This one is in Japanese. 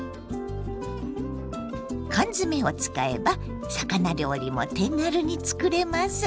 缶詰を使えば魚料理も手軽に作れます。